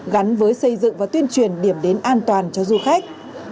gắn với xây dựng và tuyên truyền điểm đến an toàn cho du khách